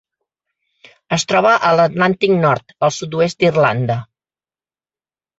Es troba a l'Atlàntic nord: el sud-oest d'Irlanda.